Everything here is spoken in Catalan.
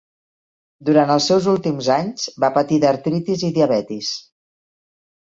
Durant els seus últims anys, va patir d'artritis i diabetis.